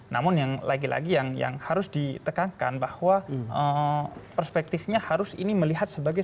namun yang lagi lagi yang harus ditekankan bahwa perspektifnya harus ini melihat sebagai